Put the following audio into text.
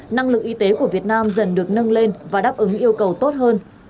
năng lực y tế của việt nam dần được nâng lên và đáp ứng yêu cầu tốt hơn